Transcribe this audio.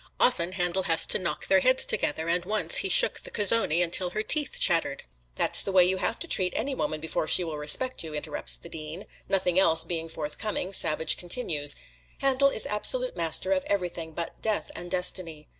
Often Handel has to knock their heads together, and once he shook the Cuzzoni until her teeth chattered." "That's the way you have to treat any woman before she will respect you," interrupts the Dean. Nothing else being forthcoming, Savage continues: "Handel is absolute master of everything but Death and Destiny.